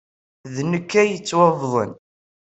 D nekk ay yettwabẓen.